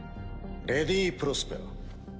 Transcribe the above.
レディ・プロスペラ。